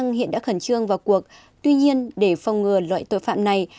tội phạm hiện đã khẩn trương vào cuộc tuy nhiên để phong ngừa loại tội phạm này